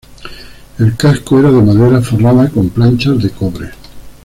El casco era de madera forrada con planchas de cobre.